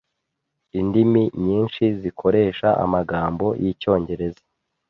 Indimi nyinshi zikoresha amagambo yicyongereza.